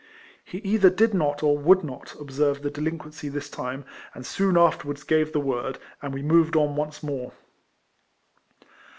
He either did not or would not observe the delinquency this time, and soon afterwards gave the word, and we moved on once more.